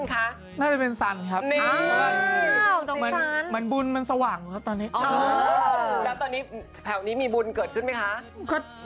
เขาเรียกว่าเป็นบุญตาพี่